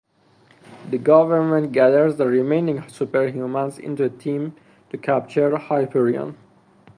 The government gathers the remaining superhumans into a team to capture Hyperion.